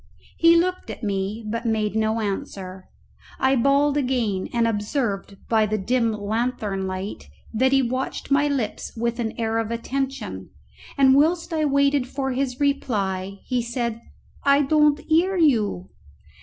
He looked at me, but made no answer. I bawled again, and observed (by the dim lanthorn light) that he watched my lips with an air of attention; and whilst I waited for his reply he said, "I don't hear you."